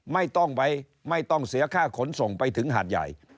ไม่ต้องไปไม่ต้องเสียค่าขนส่งไปถึงหาดใหญ่